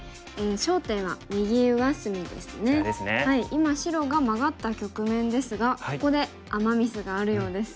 今白がマガった局面ですがここでアマ・ミスがあるようです。